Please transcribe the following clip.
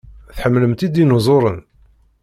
Tḥemmlemt idinuẓuren?